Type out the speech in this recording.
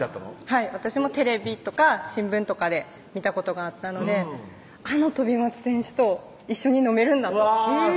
はい私もテレビとか新聞とかで見たことがあったのであの飛松選手と一緒に飲めるんだうわ